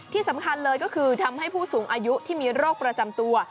ที่สำคัญเลยก็คือทำให้ผู้สูงอายุที่มีโรคประจำตัว